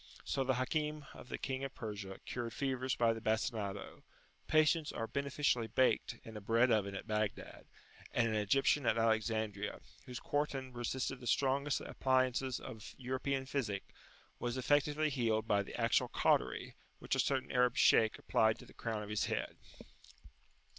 So the Hakim of the King of Persia cured fevers by the bastinado; patients are beneficially baked in a bread oven at Baghdad; and an Egyptian at Alexandria, whose quartan resisted the strongest appliances of European physic, was effectually healed by the actual cautery, which a certain Arab Shaykh applied to the crown of his head.